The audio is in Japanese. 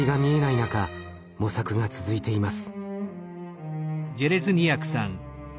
中模索が続いています。